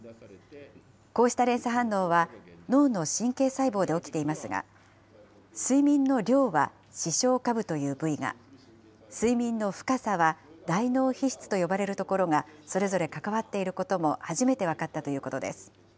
こうした連鎖反応は、脳の神経細胞で起きていますが、睡眠の量は視床下部という部位が、睡眠の深さは大脳皮質と呼ばれるところがそれぞれ関わっていることも初めて分かったということです。